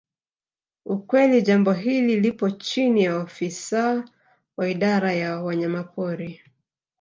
Ukweli jambo hili lipo chini ya ofisa wa idara ya wanyamapori